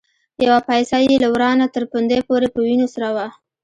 يوه پايڅه يې له ورانه تر پوندې پورې په وينو سره وه.